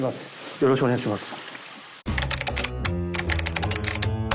よろしくお願いします。